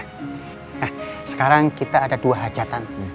nah sekarang kita ada dua hajatan